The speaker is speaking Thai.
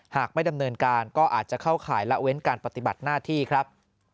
หากไม่ดำเนินการก็อาจจะเข้าข่ายละเว้นการปฏิบัติหน้าที่ครับ